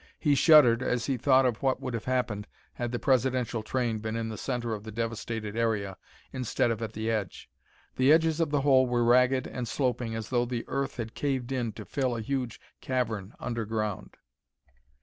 He shuddered as he thought of what would have happened had the Presidential train been in the center of the devastated area instead of at the edge. The edges of the hole were ragged and sloping as though the earth had caved in to fill a huge cavern underground.